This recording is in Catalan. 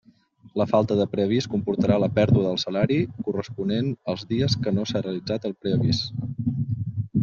La falta de preavís comportarà la pèrdua del salari corresponent als dies que no s'ha realitzat el preavís.